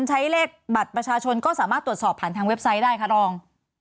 ใช้เลขบัตรประชาชนก็สามารถตรวจสอบผ่านทางเว็บไซต์ได้ค่ะรอง